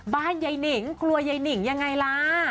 บ้านยายหนิงกลัวยายหนิงยังไงล่ะ